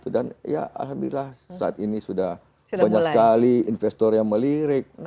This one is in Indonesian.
ya alhamdulillah saat ini sudah banyak sekali investor yang melirik